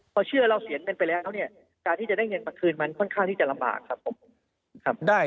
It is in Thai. พอเชื่อเราเสียเงินไปแล้วเนี่ยการที่จะได้เงินมาคืนมันค่อนข้างที่จะลำบากครับผมครับ